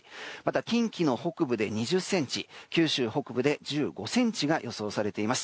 近畿の北部で２０ｃｍ九州北部で１５ｃｍが予想されています。